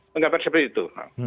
menggambar seperti itu